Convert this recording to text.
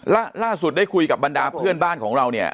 ล่าสุดได้คุยกับบรรดาเพื่อนบ้านของเราเนี่ย